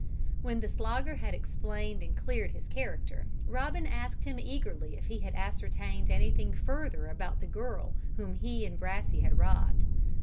When the Slogger had explained and cleared his character, Robin asked him eagerly if he had ascertained anything further about the girl whom he and Brassey had robbed.